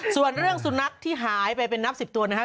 ส่วนเรื่องสุนัขที่หายไปเป็นนับ๑๐ตัวนะครับ